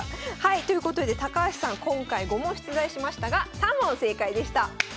ということで高橋さん今回５問出題しましたが３問正解でした！